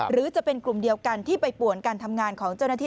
หรือจะเป็นกลุ่มเดียวกันที่ไปป่วนการทำงานของเจ้าหน้าที่